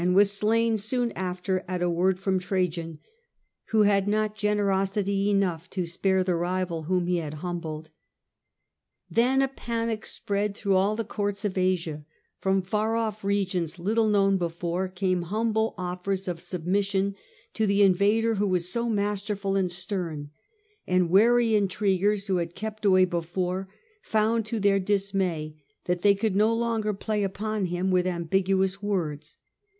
Fronto, was slain soon after at a word from Trajan, Pfinc. Hist, who had not generosity enough to spare the rival whom he had humbled. Then a panic spread through all the courts of Asia From far off regions, little known before, came humble offers of submission to the invader who was so masterful and stern ; and wary intriguers, who had kept away before, found to their dismay tliat they could ^^^ not longer play upon him with ambiguous terror and words.